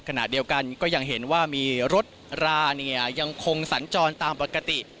ขณะเดียวกันก็ยังเห็นว่ามีรถราเนี่ยยังคงสัญจรตามปกติ